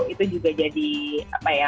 itu juga jadi apa ya